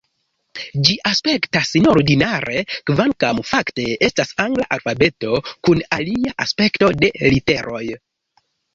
Ĝi aspektas neordinare, kvankam fakte estas angla alfabeto kun alia aspekto de literoj.